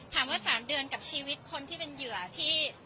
๓เดือนกับชีวิตคนที่เป็นเหยื่อที่